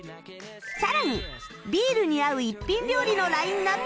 さらにビールに合う一品料理のラインアップも豊富